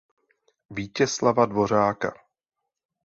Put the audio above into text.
Vítězslava Dvořáka.